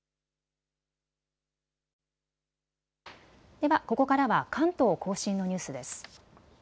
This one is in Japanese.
では、ここからは関東甲信のニュースです。